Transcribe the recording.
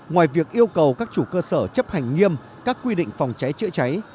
ngoài việc yêu cầu các chủ cơ sở chấp hành nghiêm các quy định phòng cháy chữa cháy